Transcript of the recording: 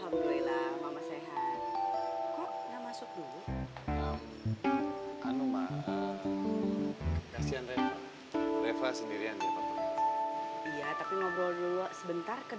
bukannya ada surti